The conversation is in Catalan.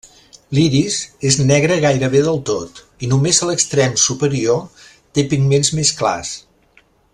L'iris és negre gairebé del tot, i només a l'extrem superior té pigments més clars.